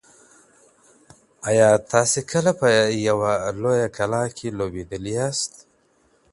ایا تاسي کله په یوه لویه کلا کې لوبېدلي یاست؟